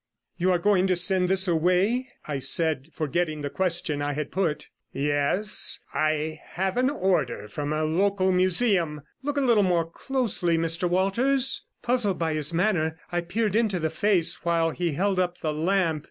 'You are going to send this away?' I said, forgetting the question I had put. 'Yes; I have an order from a local museum. Look a little more closely, Mr Walters.' Puzzled by his manner, I peered into the face, while he held up the lamp.